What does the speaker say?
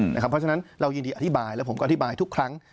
เพราะฉะนั้นเรายินดีอธิบายแล้วผมก็อธิบายทุกครั้ง